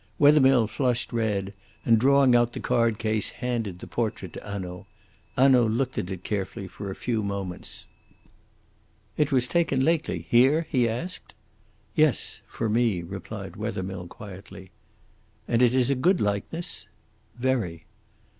Wethermill flushed red, and, drawing out the card case, handed the portrait to Hanaud. Hanaud looked at it carefully for a few moments. "It was taken lately, here?" he asked. "Yes; for me," replied Wethermill quietly. "And it is a good likeness?" "Very."